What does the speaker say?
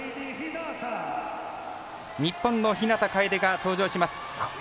日本の日向楓が登場します。